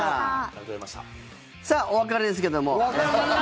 さあ、お別れですけども。